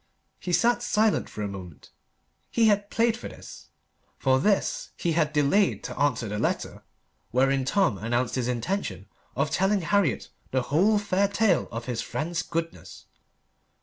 He sat silent for a moment. He had played for this for this he had delayed to answer the letter wherein Tom announced his intention of telling Harriet the whole fair tale of his friend's goodness.